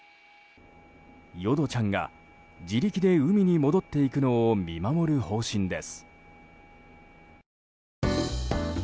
淀ちゃんが自力で海に戻っていくのを見守る方針です。